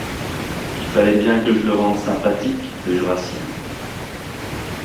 Il fallait bien que je le rende sympathique, le Jurassien.